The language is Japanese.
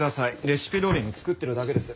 レシピどおりに作ってるだけです。